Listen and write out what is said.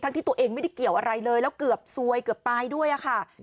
ที่ตัวเองไม่ได้เกี่ยวอะไรเลยแล้วเกือบซวยเกือบตายด้วยค่ะ